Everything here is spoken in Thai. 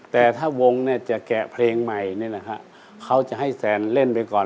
แต่ถ้าวงจะแกะเพลงใหม่นี่นะครับเขาจะให้แซนเล่นไปก่อน